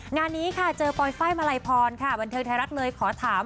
งานนี้เจอปลอยไฟมะไรพรบันเทิงไทยรัฐเลยขอถาม